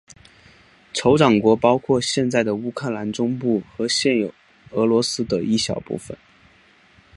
酋长国包括现在的乌克兰中部和现俄罗斯的一小部分。